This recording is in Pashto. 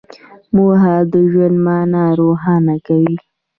موخه د ژوند مانا روښانه کوي.